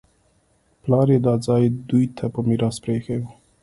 پلار یې دا ځای دوی ته په میراث پرېښی و